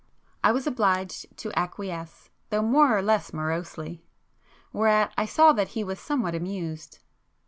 I was obliged to acquiesce, though more or less morosely,—whereat I saw that he was somewhat amused.